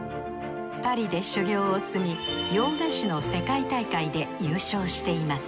パリで修業を積み洋菓子の世界大会で優勝しています。